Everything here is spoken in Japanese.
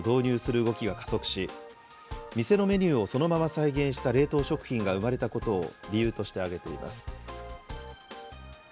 コロナ禍を背景に、飲食店の間で急速冷凍機を導入する動きが加速し、店のメニューをそのまま再現した冷凍食品が生まれたことを理由として挙げています。